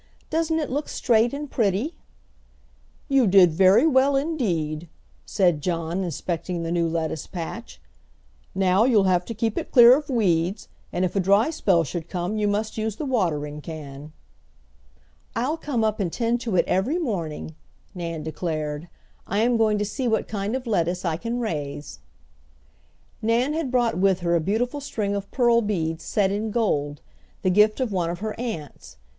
"Doesn't it look straight and pretty?" "You did very well indeed," said John, inspecting the new lettuce patch. "Now, you'll have to keep it clear of weeds, and if a dry spell should come you must use the watering can." "I'll come up and tend to it every morning," Nan declared. "I am going to see what kind of lettuce I can raise." Nan had brought with her a beautiful string of pearl beads set in gold, the gift of one of her aunts.